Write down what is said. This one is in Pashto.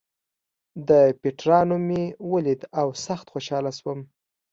د پېټرا نوم مې ولید او سخت خوشاله شوم.